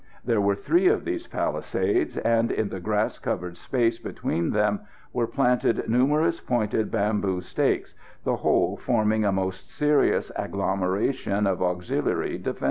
There were three of these palisades, and in the grass covered space between them were planted numerous pointed bamboo stakes, the whole forming a most serious agglomeration of auxiliary defences.